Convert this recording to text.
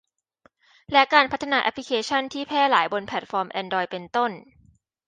และการพัฒนาแอพลิเคชั่นที่แพร่หลายบนแพลทฟอร์มแอนดรอยด์ เป็นต้น